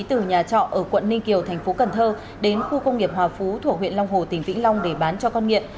từ nhà trọ ở quận ninh kiều thành phố cần thơ đến khu công nghiệp hòa phú thủ huyện long hồ tỉnh vĩnh long để bán cho con nghiện